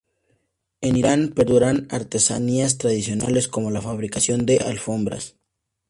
En Irán perduran artesanías tradicionales, como la fabricación de alfombras.